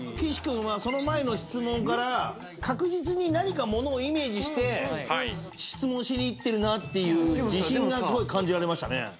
岸君はその前の質問から確実に何か物をイメージして質問しにいってるなっていう自信がすごい感じられましたね。